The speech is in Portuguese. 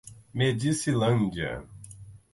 Medicilândia